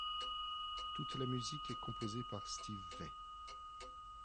Toute la musique est composée par Steve Vai.